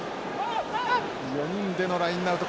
４人でのラインアウト。